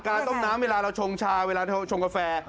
ต้มน้ำเวลาเราชงชาเวลาชงกาแฟ